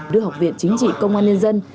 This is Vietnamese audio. đưa học viện chính trị công an nhân dân